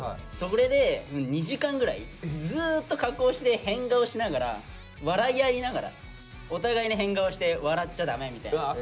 それで２時間ぐらいずっと加工して変顔しながら笑い合いながらお互いに変顔して笑っちゃ駄目みたいな。